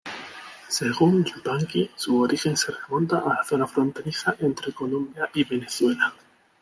Según Yupanqui, su origen se remonta a la zona fronteriza entre Colombia y Venezuela.